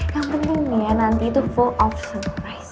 yang penting nih ya nanti itu full of surprise